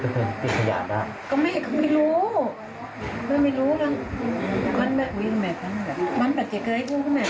มันแบบเจ๋ยเกยง่าย